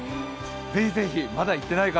ぜひぜひ、まだ行ってない方